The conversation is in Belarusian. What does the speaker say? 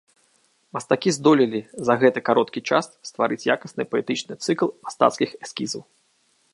Мастакі здолелі за гэты кароткі час стварыць якасны паэтычны цыкл мастацкіх эскізаў.